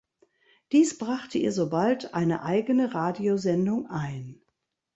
Dies brachte ihr sobald eine eigene Radiosendung ein.